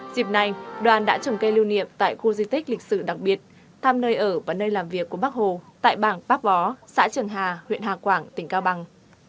dịp này đoàn đã trồng cây lưu niệm tại khu di tích lịch sử đặc biệt thăm nơi ở và nơi làm việc của bác hồ tại bảng bác bó xã trường hà huyện hà quảng tỉnh cao bằng